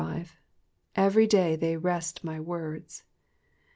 ^^ Every day they wrest my tpords."